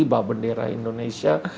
bawa bendera indonesia